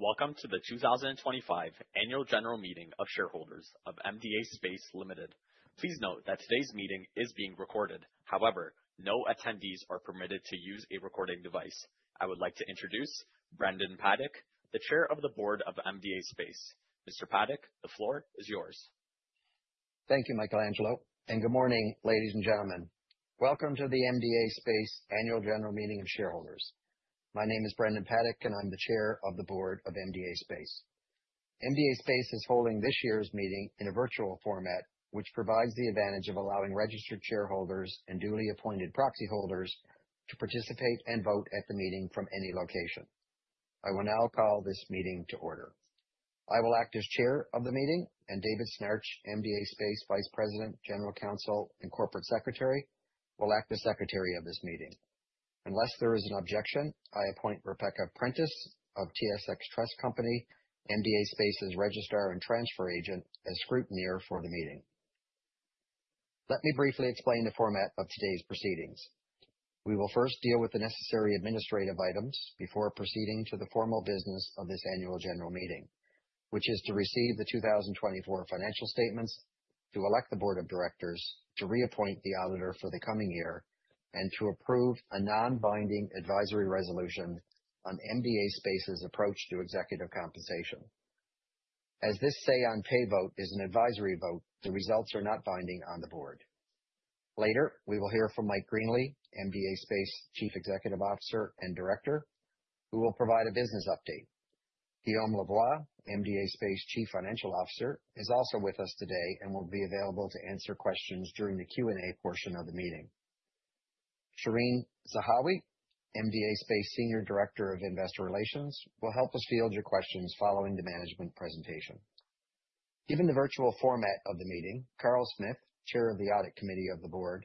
Welcome to the 2025 Annual General Meeting of Shareholders of MDA Space. Please note that today's meeting is being recorded. However, no attendees are permitted to use a recording device. I would like to introduce Brendan Paddock, the Chair of the Board of MDA Space. Mr. Paddick, the floor is yours. Thank you, Michelangelo, and good morning, ladies and gentlemen. Welcome to the MDA Space Annual General Meeting of Shareholders. My name is Brendan Paddick, and I'm the Chair of the Board of MDA Space. MDA Space is holding this year's meeting in a virtual format, which provides the advantage of allowing registered shareholders and duly appointed proxy holders to participate and vote at the meeting from any location. I will now call this meeting to order. I will act as Chair of the meeting, and David Snir, MDA Space Vice President, General Counsel, and Corporate Secretary, will act as Secretary of this meeting. Unless there is an objection, I appoint Rebecca Prentiss of TSX Trust Company, MDA Space's Registrar and Transfer Agent, as Scrutineer for the meeting. Let me briefly explain the format of today's proceedings. We will first deal with the necessary administrative items before proceeding to the formal business of this Annual General Meeting, which is to receive the 2024 financial statements, to elect the Board of Directors, to reappoint the auditor for the coming year, and to approve a non-binding advisory resolution on MDA Space's approach to executive compensation. As this say-on-pay vote is an advisory vote, the results are not binding on the board. Later, we will hear from Mike Greenley, MDA Space Chief Executive Officer and Director, who will provide a business update. Guillaume Lavoie, MDA Space Chief Financial Officer, is also with us today and will be available to answer questions during the Q&A portion of the meeting. Shereen Zahawi, MDA Space Senior Director of Investor Relations, will help us field your questions following the management presentation. Given the virtual format of the meeting, Carl Smith, Chair of the Audit Committee of the Board,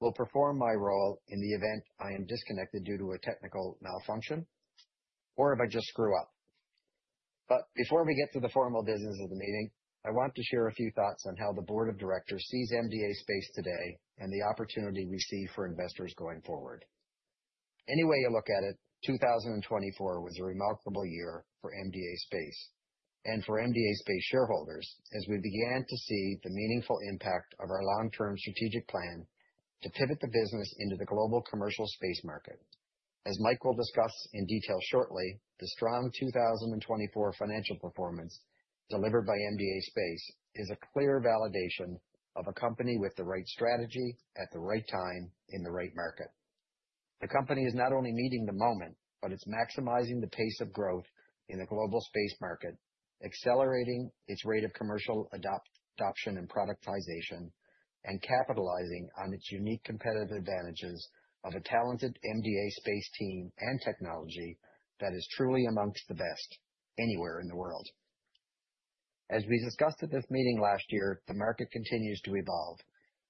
will perform my role in the event I am disconnected due to a technical malfunction or if I just screw up. Before we get to the formal business of the meeting, I want to share a few thoughts on how the Board of Directors sees MDA Space today and the opportunity we see for investors going forward. Any way you look at it, 2024 was a remarkable year for MDA Space and for MDA Space shareholders as we began to see the meaningful impact of our long-term strategic plan to pivot the business into the global commercial space market. As Michael discussed in detail shortly, the strong 2024 financial performance delivered by MDA Space is a clear validation of a company with the right strategy at the right time in the right market. The company is not only meeting the moment, but it's maximizing the pace of growth in the global space market, accelerating its rate of commercial adoption and productization, and capitalizing on its unique competitive advantages of a talented MDA Space team and technology that is truly amongst the best anywhere in the world. As we discussed at this meeting last year, the market continues to evolve.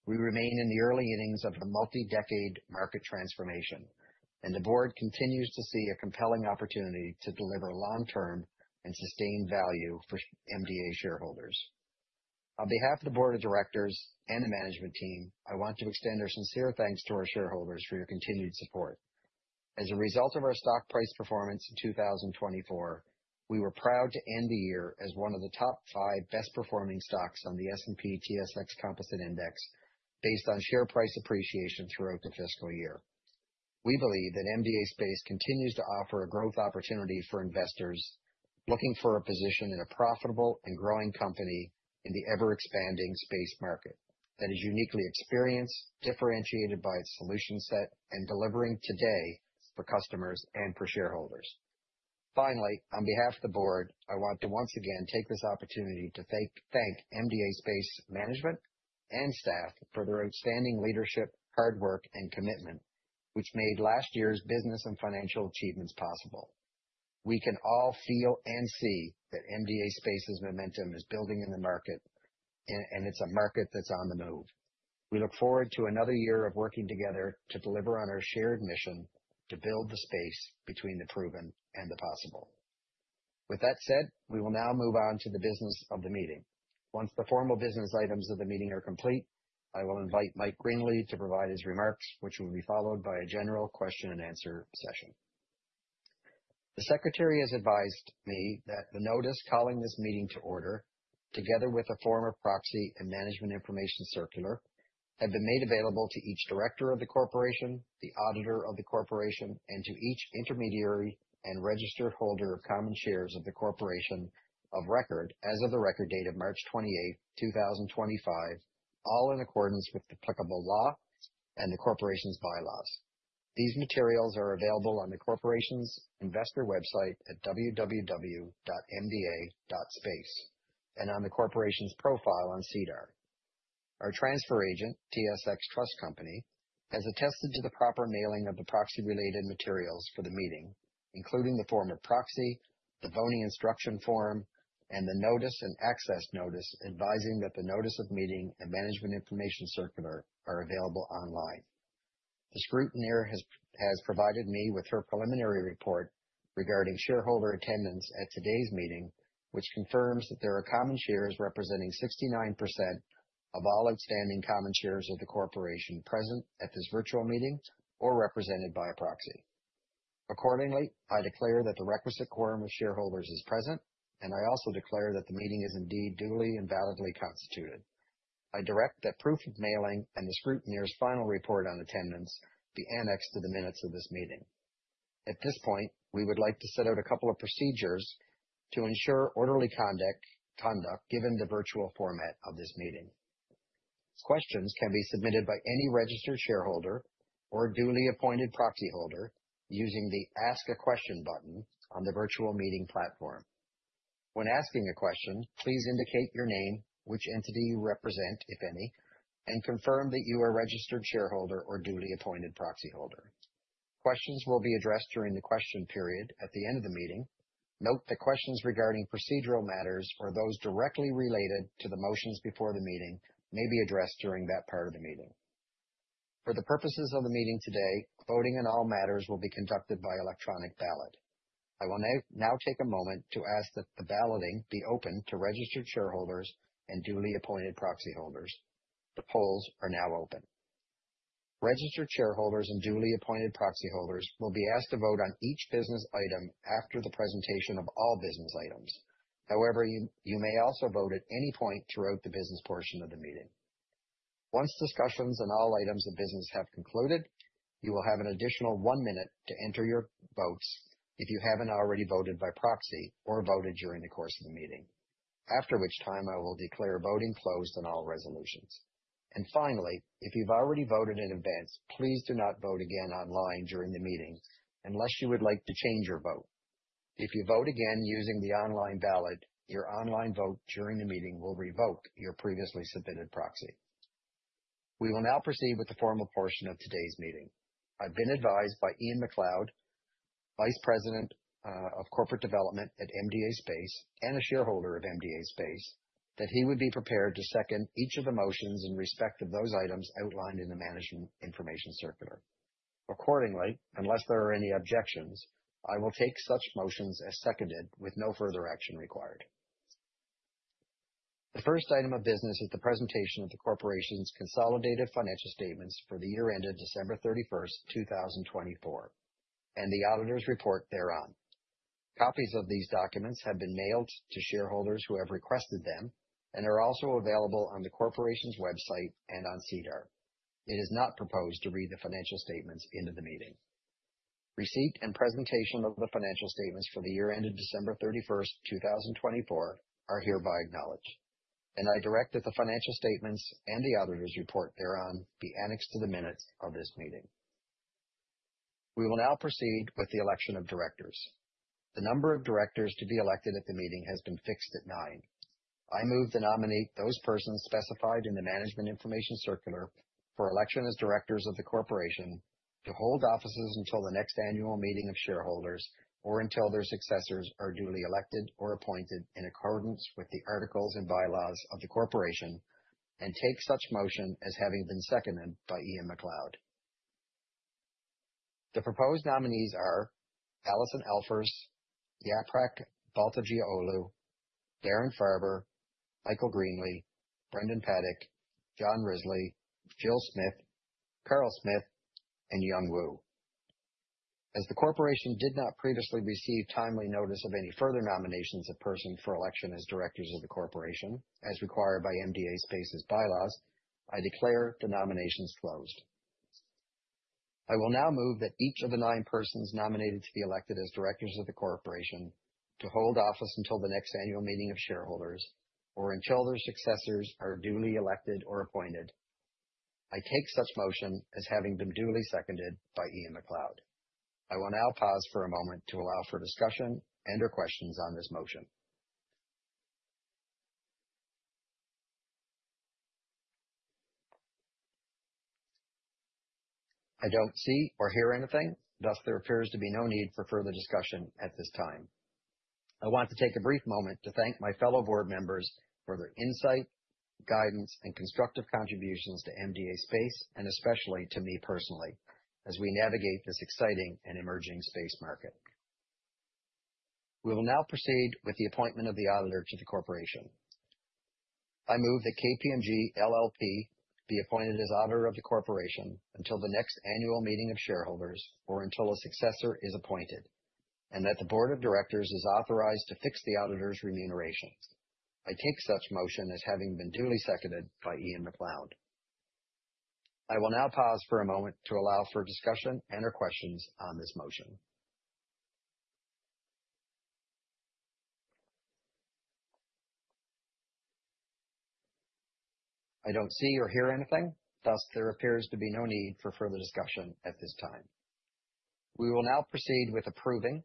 We remain in the early innings of a multi-decade market transformation, and the board continues to see a compelling opportunity to deliver long-term and sustained value for MDA shareholders. On behalf of the Board of Directors and the management team, I want to extend our sincere thanks to our shareholders for your continued support. As a result of our stock price performance in 2024, we were proud to end the year as one of the top five best-performing stocks on the S&P/TSX Composite Index based on share price appreciation throughout the fiscal year. We believe that MDA Space continues to offer a growth opportunity for investors looking for a position in a profitable and growing company in the ever-expanding space market that is uniquely experienced, differentiated by its solution set, and delivering today for customers and for shareholders. Finally, on behalf of the Board, I want to once again take this opportunity to thank MDA Space management and staff for their outstanding leadership, hard work, and commitment, which made last year's business and financial achievements possible. We can all feel and see that MDA Space's momentum is building in the market, and it's a market that's on the move. We look forward to another year of working together to deliver on our shared mission to build the space between the proven and the possible. With that said, we will now move on to the business of the meeting. Once the formal business items of the meeting are complete, I will invite Mike Greenley to provide his remarks, which will be followed by a general question-and-answer session. The Secretary has advised me that the notice calling this meeting to order, together with a form of proxy and management information circular, had been made available to each Director of the Corporation, the Auditor of the Corporation, and to each Intermediary and Registered Holder of Common Shares of the Corporation of record as of the record date of March 28, 2025, all in accordance with applicable law and the Corporation's bylaws. These materials are available on the Corporation's investor website at www.mda.space and on the Corporation's profile on CDAR. Our transfer agent, TSX Trust Company, has attested to the proper mailing of the proxy-related materials for the meeting, including the form of proxy, the VONI instruction form, and the notice and access notice advising that the notice of meeting and management information circular are available online. The Scrutineer has provided me with her preliminary report regarding shareholder attendance at today's meeting, which confirms that there are common shares representing 69% of all outstanding common shares of the Corporation present at this virtual meeting or represented by a proxy. Accordingly, I declare that the requisite quorum of shareholders is present, and I also declare that the meeting is indeed duly and validly constituted. I direct that proof of mailing and the Scrutineer's final report on attendance be annexed to the minutes of this meeting. At this point, we would like to set out a couple of procedures to ensure orderly conduct given the virtual format of this meeting. Questions can be submitted by any registered shareholder or duly appointed proxy holder using the Ask a Question button on the virtual meeting platform. When asking a question, please indicate your name, which entity you represent, if any, and confirm that you are a registered shareholder or duly appointed proxy holder. Questions will be addressed during the question period at the end of the meeting. Note that questions regarding procedural matters or those directly related to the motions before the meeting may be addressed during that part of the meeting. For the purposes of the meeting today, voting on all matters will be conducted by electronic ballot. I will now take a moment to ask that the balloting be open to registered shareholders and duly appointed proxy holders. The polls are now open. Registered shareholders and duly appointed proxy holders will be asked to vote on each business item after the presentation of all business items. However, you may also vote at any point throughout the business portion of the meeting. Once discussions on all items of business have concluded, you will have an additional one minute to enter your votes if you have not already voted by proxy or voted during the course of the meeting, after which time I will declare voting closed on all resolutions. Finally, if you have already voted in advance, please do not vote again online during the meeting unless you would like to change your vote. If you vote again using the online ballot, your online vote during the meeting will revoke your previously submitted proxy. We will now proceed with the formal portion of today's meeting. I have been advised by Ian McLeod, Vice President of Corporate Development at MDA Space and a shareholder of MDA Space, that he would be prepared to second each of the motions in respect of those items outlined in the management information circular. Accordingly, unless there are any objections, I will take such motions as seconded with no further action required. The first item of business is the presentation of the Corporation's consolidated financial statements for the year ended December 31st, 2024, and the auditor's report thereon. Copies of these documents have been mailed to shareholders who have requested them and are also available on the Corporation's website and on CDAR. It is not proposed to read the financial statements into the meeting. Receipt and presentation of the financial statements for the year ended December 31st, 2024, are hereby acknowledged, and I direct that the financial statements and the auditor's report thereon be annexed to the minutes of this meeting. We will now proceed with the election of directors. The number of directors to be elected at the meeting has been fixed at nine. I move to nominate those persons specified in the management information circular for election as directors of the Corporation to hold offices until the next annual meeting of shareholders or until their successors are duly elected or appointed in accordance with the articles and bylaws of the Corporation and take such motion as having been seconded by Ian McLeod. The proposed nominees are Alison Alfers, Yaprak Baltacioğlu, Darren Farber, Michael Greenley, Brendan Paddick, John Risley, Jill Smith, Carl Smith, and Yung Wu. As the Corporation did not previously receive timely notice of any further nominations of persons for election as directors of the Corporation as required by MDA Space's bylaws, I declare the nominations closed. I will now move that each of the nine persons nominated to be elected as directors of the Corporation to hold office until the next annual meeting of shareholders or until their successors are duly elected or appointed. I take such motion as having been duly seconded by Ian McLeod. I will now pause for a moment to allow for discussion and/or questions on this motion. I don't see or hear anything, thus there appears to be no need for further discussion at this time. I want to take a brief moment to thank my fellow board members for their insight, guidance, and constructive contributions to MDA Space and especially to me personally as we navigate this exciting and emerging space market. We will now proceed with the appointment of the auditor to the Corporation. I move that KPMG LLP be appointed as auditor of the Corporation until the next annual meeting of shareholders or until a successor is appointed and that the Board of Directors is authorized to fix the auditor's remuneration. I take such motion as having been duly seconded by Ian McLeod. I will now pause for a moment to allow for discussion and/or questions on this motion. I don't see or hear anything, thus there appears to be no need for further discussion at this time. We will now proceed with approving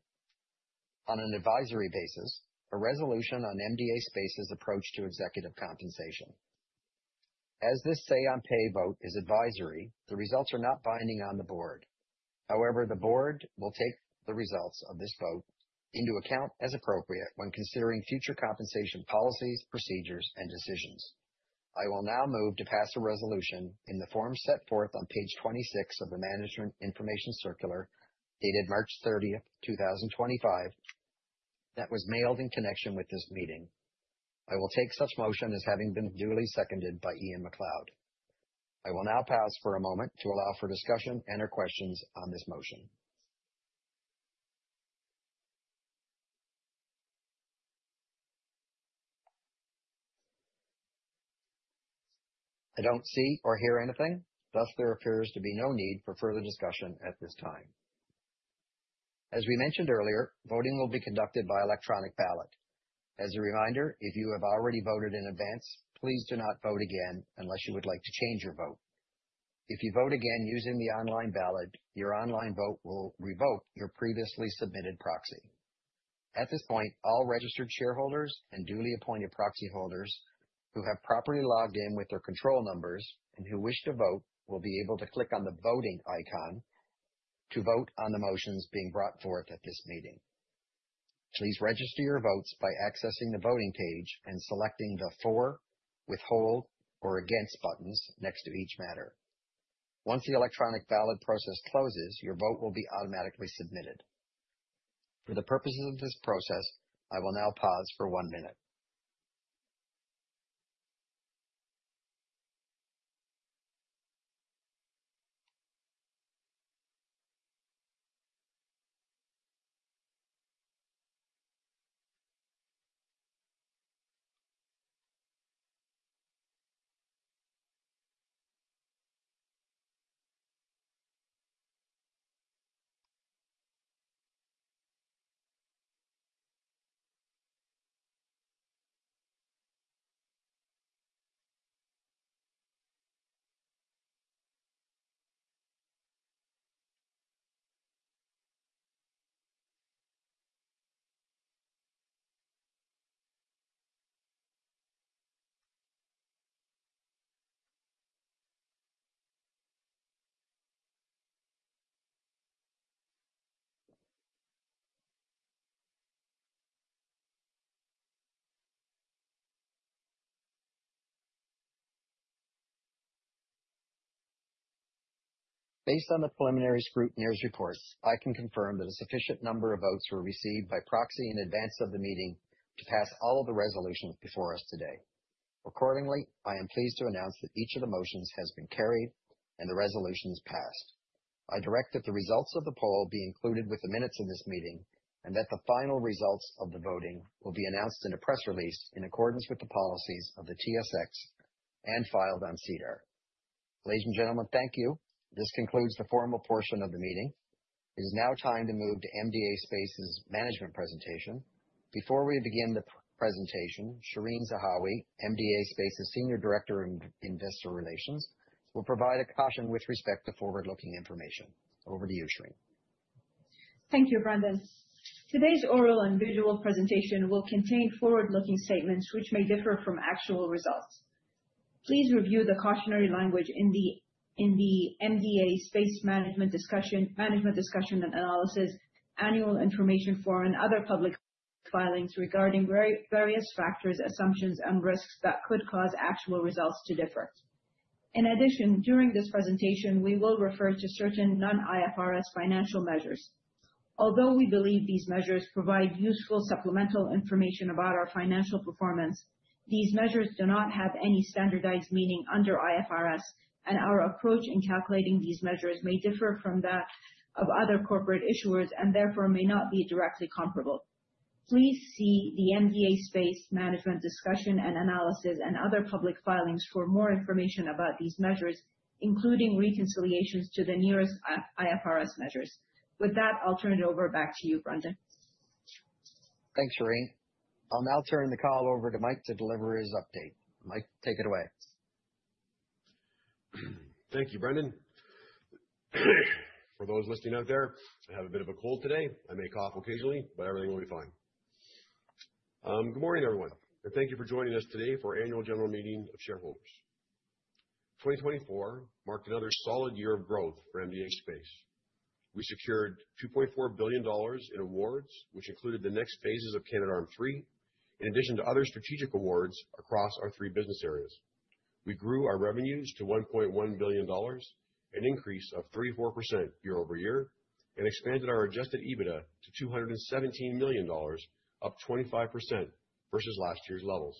on an advisory basis a resolution on MDA Space's approach to executive compensation. As this say-on-pay vote is advisory, the results are not binding on the board. However, the board will take the results of this vote into account as appropriate when considering future compensation policies, procedures, and decisions. I will now move to pass a resolution in the form set forth on page 26 of the management information circular dated March 30, 2025, that was mailed in connection with this meeting. I will take such motion as having been duly seconded by Ian McLeod. I will now pause for a moment to allow for discussion and/or questions on this motion. I don't see or hear anything, thus there appears to be no need for further discussion at this time. As we mentioned earlier, voting will be conducted by electronic ballot. As a reminder, if you have already voted in advance, please do not vote again unless you would like to change your vote. If you vote again using the online ballot, your online vote will revoke your previously submitted proxy. At this point, all registered shareholders and duly appointed proxy holders who have properly logged in with their control numbers and who wish to vote will be able to click on the voting icon to vote on the motions being brought forth at this meeting. Please register your votes by accessing the voting page and selecting the for, withhold, or against buttons next to each matter. Once the electronic ballot process closes, your vote will be automatically submitted. For the purposes of this process, I will now pause for one minute. Based on the preliminary Scrutineer's reports, I can confirm that a sufficient number of votes were received by proxy in advance of the meeting to pass all of the resolutions before us today. Accordingly, I am pleased to announce that each of the motions has been carried and the resolutions passed. I direct that the results of the poll be included with the minutes of this meeting and that the final results of the voting will be announced in a press release in accordance with the policies of the TSX and filed on CDAR. Ladies and gentlemen, thank you. This concludes the formal portion of the meeting. It is now time to move to MDA Space's management presentation. Before we begin the presentation, Shereen Zahawi, MDA Space's Senior Director of Investor Relations, will provide a caution with respect to forward-looking information. Over to you, Shereen. Thank you, Brendan. Today's oral and visual presentation will contain forward-looking statements which may differ from actual results. Please review the cautionary language in the MDA Space management discussion and analysis, annual information form, and other public filings regarding various factors, assumptions, and risks that could cause actual results to differ. In addition, during this presentation, we will refer to certain non-IFRS financial measures. Although we believe these measures provide useful supplemental information about our financial performance, these measures do not have any standardized meaning under IFRS, and our approach in calculating these measures may differ from that of other corporate issuers and therefore may not be directly comparable. Please see the MDA Space management discussion and analysis and other public filings for more information about these measures, including reconciliations to the nearest IFRS measures. With that, I'll turn it over back to you, Brendan. Thanks, Shereen. I'll now turn the call over to Mike to deliver his update. Mike, take it away. Thank you, Brendan. For those listening out there, I have a bit of a cold today. I may cough occasionally, but everything will be fine. Good morning, everyone, and thank you for joining us today for our annual general meeting of shareholders. 2024 marked another solid year of growth for MDA Space. We secured $2.4 billion in awards, which included the next phases of Canada Arm III, in addition to other strategic awards across our three business areas. We grew our revenues to $1.1 billion, an increase of 34% year over year, and expanded our adjusted EBITDA to $217 million, up 25% versus last year's levels,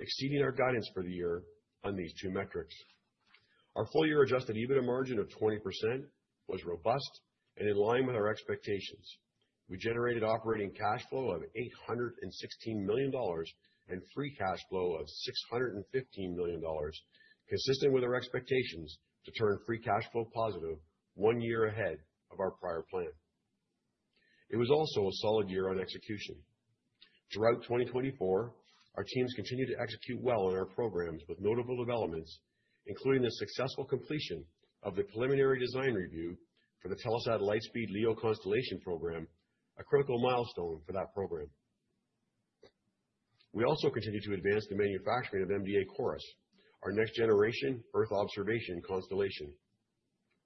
exceeding our guidance for the year on these two metrics. Our full-year adjusted EBITDA margin of 20% was robust and in line with our expectations. We generated operating cash flow of $816 million and free cash flow of $615 million, consistent with our expectations to turn free cash flow positive one year ahead of our prior plan. It was also a solid year on execution. Throughout 2024, our teams continued to execute well on our programs with notable developments, including the successful completion of the Preliminary Design Review for the Telesat Lightspeed LEO Constellation program, a critical milestone for that program. We also continued to advance the manufacturing of MDA CORUS, our next-generation Earth observation constellation.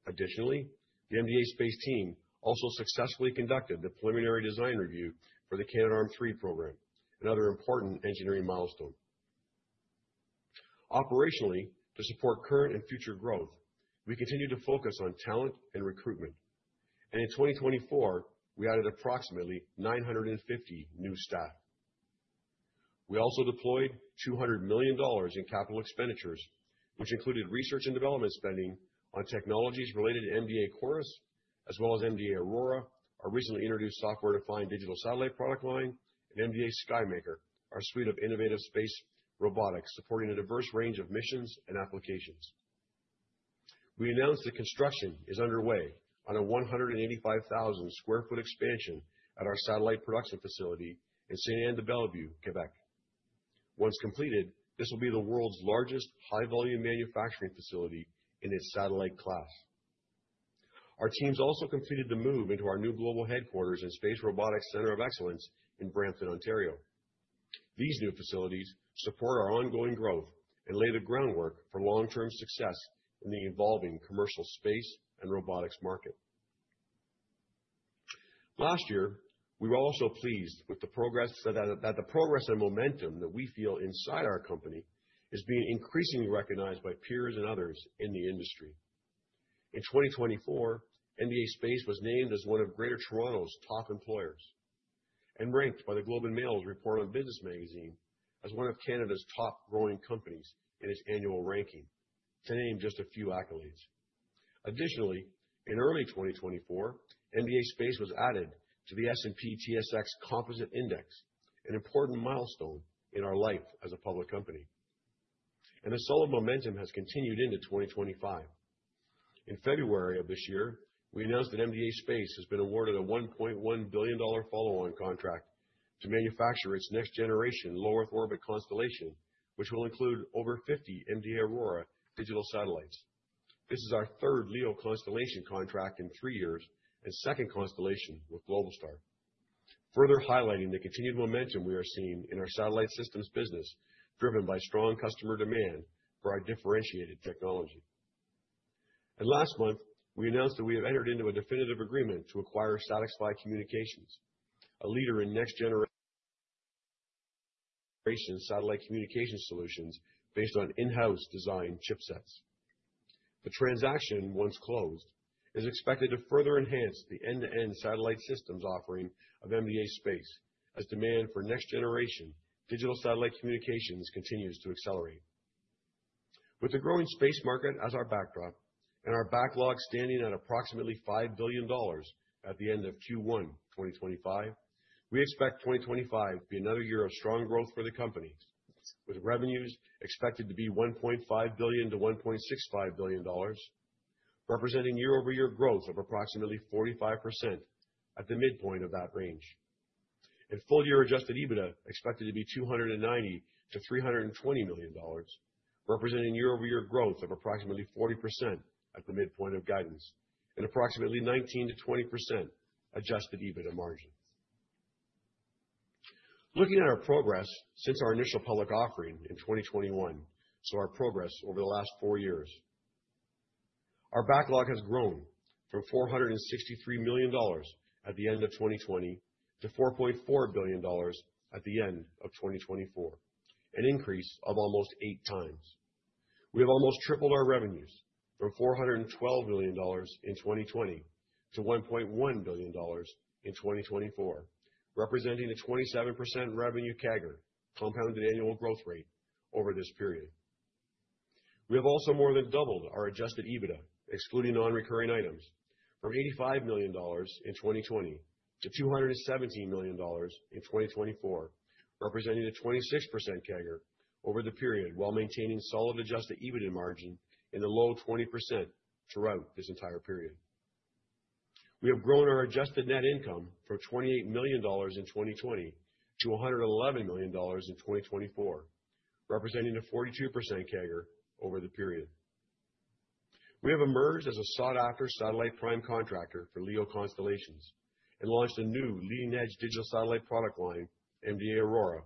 Additionally, the MDA Space team also successfully conducted the Preliminary Design Review for the Canada Arm III program, another important engineering milestone. Operationally, to support current and future growth, we continued to focus on talent and recruitment, and in 2024, we added approximately 950 new staff. We also deployed $200 million in capital expenditures, which included research and development spending on technologies related to MDA CORUS, as well as MDA Aurora, our recently introduced software-defined digital satellite product line, and MDA SkyMaker, our suite of innovative space robotics supporting a diverse range of missions and applications. We announced that construction is underway on a 185,000 sq ft expansion at our satellite production facility in Saint-Anne-de-Bellevue, Quebec. Once completed, this will be the world's largest high-volume manufacturing facility in its satellite class. Our teams also completed the move into our new global headquarters and Space Robotics Center of Excellence in Brampton, Ontario. These new facilities support our ongoing growth and lay the groundwork for long-term success in the evolving commercial space and robotics market. Last year, we were also pleased with the progress and momentum that we feel inside our company is being increasingly recognized by peers and others in the industry. In 2024, MDA Space was named as one of Greater Toronto's top employers and ranked by the Globe and Mail's Report on Business magazine as one of Canada's top growing companies in its annual ranking, to name just a few accolades. Additionally, in early 2024, MDA Space was added to the S&P/TSX Composite Index, an important milestone in our life as a public company. The solid momentum has continued into 2025. In February of this year, we announced that MDA Space has been awarded a $1.1 billion follow-on contract to manufacture its next-generation LEO Constellation, which will include over 50 MDA Aurora digital satellites. This is our third LEO Constellation contract in three years and second constellation with Globalstar, further highlighting the continued momentum we are seeing in our satellite systems business driven by strong customer demand for our differentiated technology. Last month, we announced that we have entered into a definitive agreement to acquire SatixFy Communications, a leader in next-generation satellite communication solutions based on in-house design chipsets. The transaction, once closed, is expected to further enhance the end-to-end satellite systems offering of MDA Space as demand for next-generation digital satellite communications continues to accelerate. With the growing space market as our backdrop and our backlog standing at approximately $5 billion at the end of Q1 2025, we expect 2025 to be another year of strong growth for the company, with revenues expected to be $1.5 billion-$1.65 billion, representing year-over-year growth of approximately 45% at the midpoint of that range. Full-year adjusted EBITDA is expected to be $290 million-$320 million, representing year-over-year growth of approximately 40% at the midpoint of guidance and approximately 19%-20% adjusted EBITDA margin. Looking at our progress since our initial public offering in 2021, so our progress over the last four years, our backlog has grown from $463 million at the end of 2020 to $4.4 billion at the end of 2024, an increase of almost eight times. We have almost tripled our revenues from $412 million in 2020 to $1.1 billion in 2024, representing a 27% revenue CAGR, compounded annual growth rate, over this period. We have also more than doubled our adjusted EBITDA, excluding non-recurring items, from $85 million in 2020 to $217 million in 2024, representing a 26% CAGR over the period while maintaining solid adjusted EBITDA margin in the low 20% throughout this entire period. We have grown our adjusted net income from $28 million in 2020 to $111 million in 2024, representing a 42% CAGR over the period. We have emerged as a sought-after satellite prime contractor for LEO constellations and launched a new leading-edge digital satellite product line, MDA Aurora,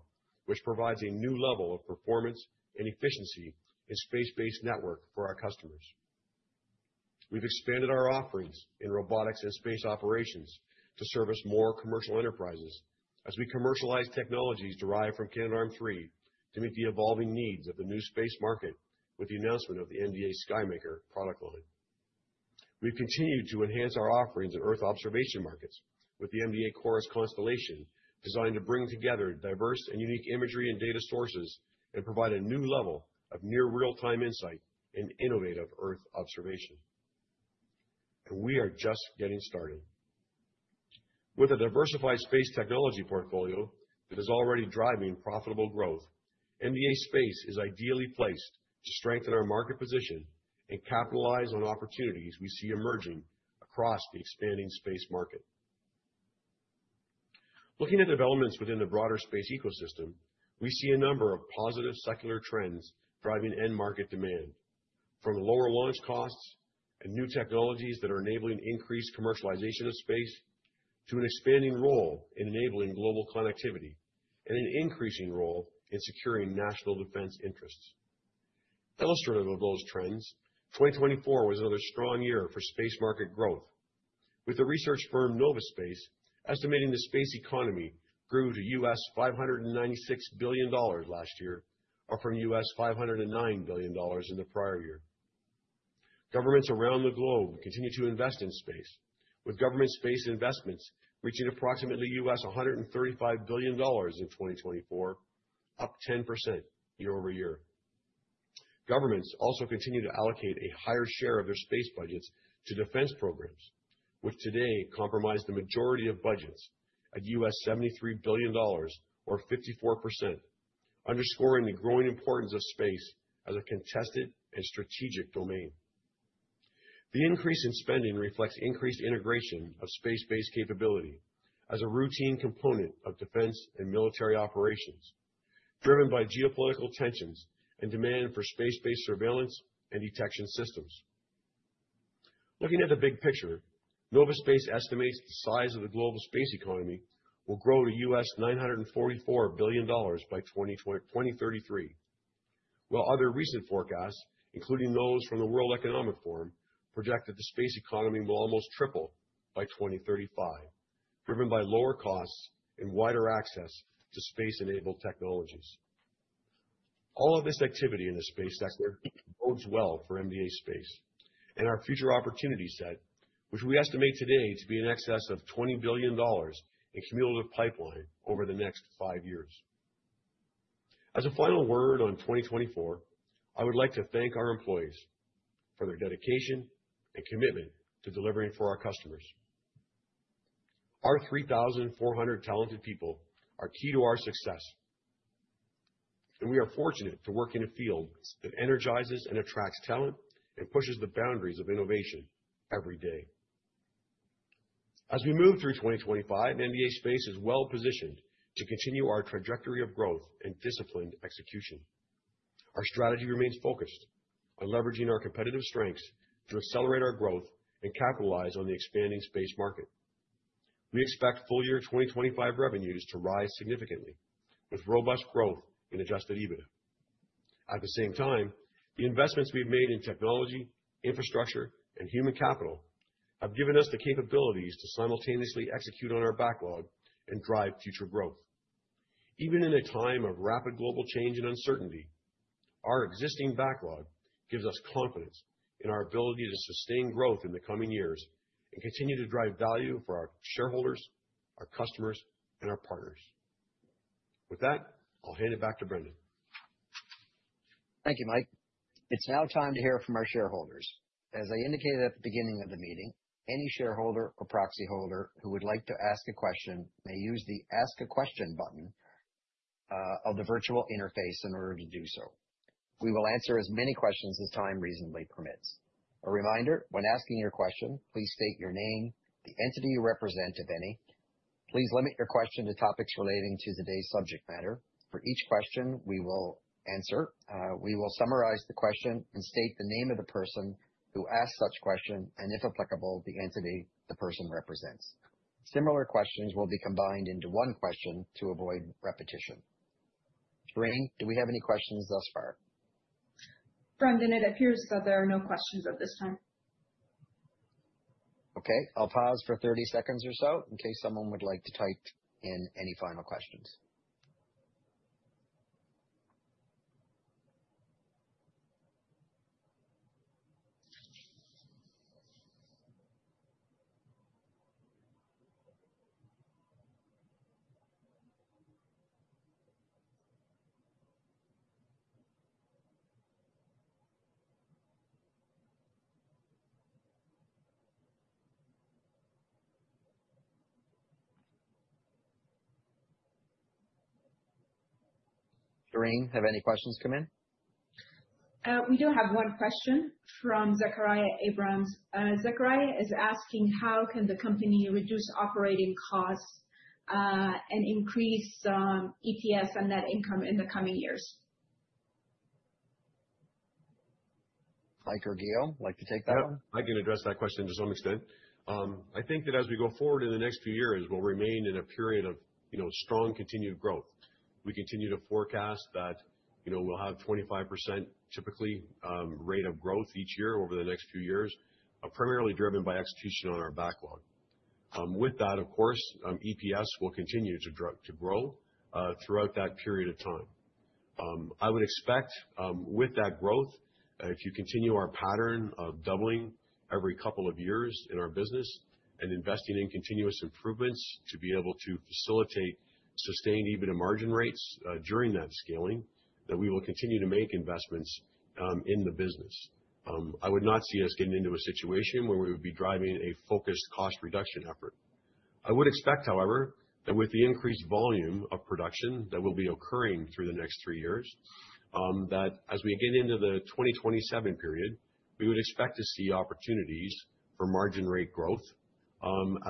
which provides a new level of performance and efficiency in space-based network for our customers. We've expanded our offerings in robotics and space operations to service more commercial enterprises as we commercialize technologies derived from Canada Arm III to meet the evolving needs of the new space market with the announcement of the MDA SkyMaker product line. We've continued to enhance our offerings in Earth observation markets with the MDA CORUS constellation designed to bring together diverse and unique imagery and data sources and provide a new level of near real-time insight in innovative Earth observation. We are just getting started. With a diversified space technology portfolio that is already driving profitable growth, MDA Space is ideally placed to strengthen our market position and capitalize on opportunities we see emerging across the expanding space market. Looking at developments within the broader space ecosystem, we see a number of positive secular trends driving end market demand, from lower launch costs and new technologies that are enabling increased commercialization of space to an expanding role in enabling global connectivity and an increasing role in securing national defense interests. Illustrative of those trends, 2024 was another strong year for space market growth, with the research firm Nova Space estimating the space economy grew to $596 billion last year, up from $509 billion in the prior year. Governments around the globe continue to invest in space, with government space investments reaching approximately $135 billion in 2024, up 10% year over year. Governments also continue to allocate a higher share of their space budgets to defense programs, which today comprise the majority of budgets at $73 billion, or 54%, underscoring the growing importance of space as a contested and strategic domain. The increase in spending reflects increased integration of space-based capability as a routine component of defense and military operations, driven by geopolitical tensions and demand for space-based surveillance and detection systems. Looking at the big picture, Nova Space estimates the size of the global space economy will grow to $944 billion by 2033, while other recent forecasts, including those from the World Economic Forum, project that the space economy will almost triple by 2035, driven by lower costs and wider access to space-enabled technologies. All of this activity in the space sector bodes well for MDA Space and our future opportunity set, which we estimate today to be in excess of $20 billion in cumulative pipeline over the next five years. As a final word on 2024, I would like to thank our employees for their dedication and commitment to delivering for our customers. Our 3,400 talented people are key to our success, and we are fortunate to work in a field that energizes and attracts talent and pushes the boundaries of innovation every day. As we move through 2025, MDA Space is well positioned to continue our trajectory of growth and disciplined execution. Our strategy remains focused on leveraging our competitive strengths to accelerate our growth and capitalize on the expanding space market. We expect full-year 2025 revenues to rise significantly, with robust growth in adjusted EBITDA. At the same time, the investments we've made in technology, infrastructure, and human capital have given us the capabilities to simultaneously execute on our backlog and drive future growth. Even in a time of rapid global change and uncertainty, our existing backlog gives us confidence in our ability to sustain growth in the coming years and continue to drive value for our shareholders, our customers, and our partners. With that, I'll hand it back to Brendan. Thank you, Mike. It's now time to hear from our shareholders. As I indicated at the beginning of the meeting, any shareholder or proxy holder who would like to ask a question may use the Ask a Question button of the virtual interface in order to do so. We will answer as many questions as time reasonably permits. A reminder, when asking your question, please state your name, the entity you represent, if any. Please limit your question to topics relating to today's subject matter. For each question, we will answer. We will summarize the question and state the name of the person who asked such question and, if applicable, the entity the person represents. Similar questions will be combined into one question to avoid repetition. Veraine, do we have any questions thus far? Brendan, it appears that there are no questions at this time. Okay. I'll pause for 30 seconds or so in case someone would like to type in any final questions. Veraine, have any questions come in? We do have one question from Zachariah Abrams. Zachariah is asking, how can the company reduce operating costs and increase EPS and net income in the coming years? Mike or Guillaume, like to take that one? Yeah. I can address that question to some extent. I think that as we go forward in the next few years, we'll remain in a period of strong continued growth. We continue to forecast that we'll have a 25% typically rate of growth each year over the next few years, primarily driven by execution on our backlog. With that, of course, EPS will continue to grow throughout that period of time. I would expect with that growth, if you continue our pattern of doubling every couple of years in our business and investing in continuous improvements to be able to facilitate sustained EBITDA margin rates during that scaling, that we will continue to make investments in the business. I would not see us getting into a situation where we would be driving a focused cost reduction effort. I would expect, however, that with the increased volume of production that will be occurring through the next three years, that as we get into the 2027 period, we would expect to see opportunities for margin rate growth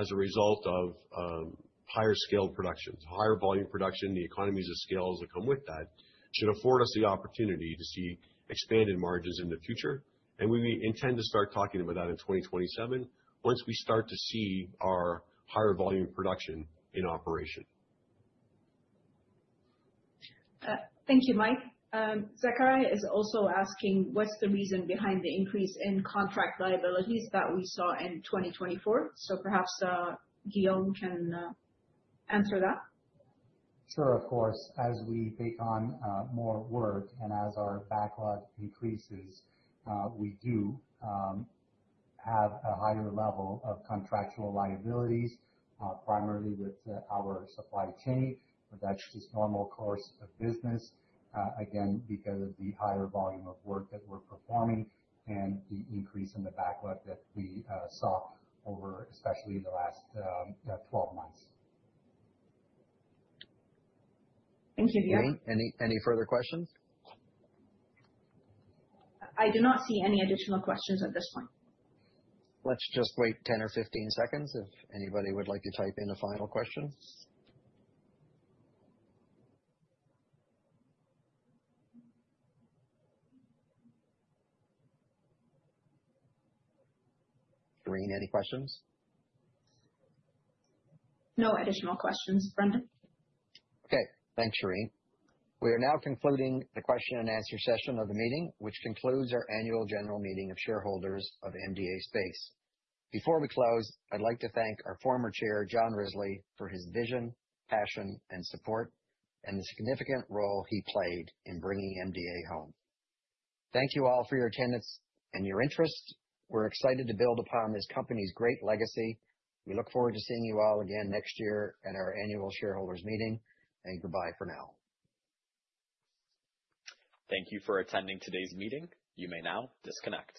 as a result of higher scale production. Higher volume production, the economies of scale that come with that should afford us the opportunity to see expanded margins in the future, and we intend to start talking about that in 2027 once we start to see our higher volume production in operation. Thank you, Mike. Zachariah is also asking, what's the reason behind the increase in contract liabilities that we saw in 2024? So perhaps Guillaume can answer that. Sure, of course. As we take on more work and as our backlog increases, we do have a higher level of contractual liabilities, primarily with our supply chain, but that's just normal course of business, again, because of the higher volume of work that we're performing and the increase in the backlog that we saw over especially the last 12 months. Thank you, Guillaume. Any further questions? I do not see any additional questions at this point. Let's just wait 10 or 15 seconds if anybody would like to type in a final question. Veraine, any questions? No additional questions, Brendan. Okay. Thanks, Shereen. We are now concluding the question and answer session of the meeting, which concludes our annual general meeting of shareholders of MDA Space. Before we close, I'd like to thank our former Chair, John Risley, for his vision, passion, and support, and the significant role he played in bringing MDA home. Thank you all for your attendance and your interest. We're excited to build upon this company's great legacy. We look forward to seeing you all again next year at our annual shareholders meeting. Goodbye for now. Thank you for attending today's meeting. You may now disconnect.